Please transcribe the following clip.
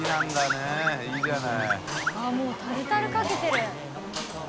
もうタルタルかけてる。